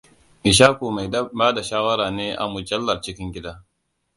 Ishaku mai bada rahoto ne a mujallar cikin gida.